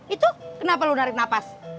itu kenapa lu narik nafas